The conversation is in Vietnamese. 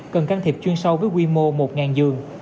cần can thiệp chuyên sâu với quy mô một giường